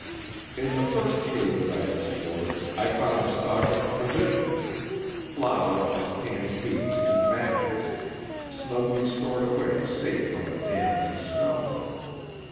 In the first cave that I explored I found a stock of provisions flour and canned meats and matches snugly stored away safe from the damp and snow.